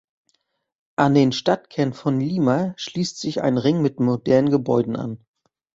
An den Stadtkern von Lima schließt sich ein Ring mit modernen Gebäuden an.